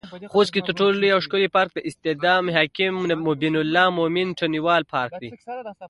خوست کې تر ټولو لوى او ښکلى پارک د استاد حکيم تڼيوال پارک دى.